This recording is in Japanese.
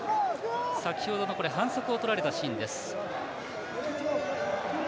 先ほどの反則をとられたシーンです。